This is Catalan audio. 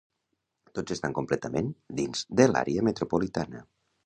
Tots estan completament dins de l'àrea metropolitana.